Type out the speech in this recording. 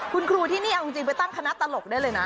คุณครูที่นี่เอาจริงไปตั้งคณะตลกได้เลยนะ